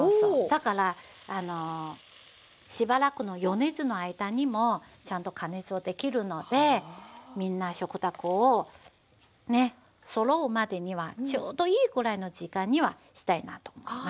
だからしばらくの余熱の間にもちゃんと加熱をできるのでみんな食卓をねそろうまでにはちょうどいいくらいの時間にはしたいなと思います。